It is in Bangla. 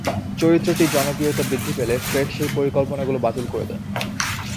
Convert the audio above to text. চরিত্রটির জনপ্রিয়তা বৃদ্ধি পেলে ফ্রেড সেই পরিকল্পনাগুলো বাতিল করে দেন।